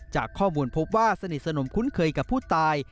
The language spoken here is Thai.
จากข้อมูลพบว่าสนิทสนมคุ้นเคยกับผู้ตาย